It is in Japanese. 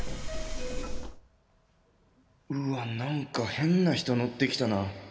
うわ何か変な人乗ってきたな